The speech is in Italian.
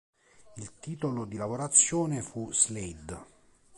Il titolo di lavorazione fu "Slade".